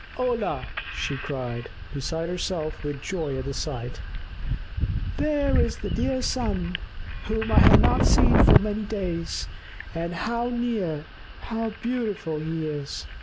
"Hola!" she cried, beside herself with joy at the sight. "There is the dear sun, whom I have not seen for many days. And how near, how beautiful he is!